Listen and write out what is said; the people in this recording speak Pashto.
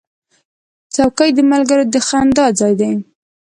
چوکۍ د ملګرو د خندا ځای دی.